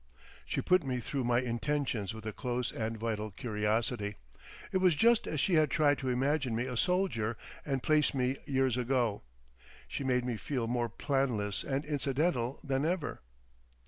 She put me through my intentions with a close and vital curiosity. It was just as she had tried to imagine me a soldier and place me years ago. She made me feel more planless and incidental than ever.